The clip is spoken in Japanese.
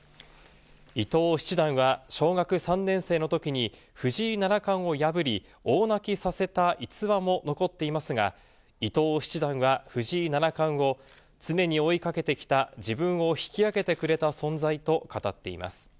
伊藤七段は小学３年生のときに藤井七冠を破り、大泣きさせた逸話も残っていますが、伊藤七段は藤井七冠を、常に追いかけてきた自分を引き上げてくれた存在と語っています。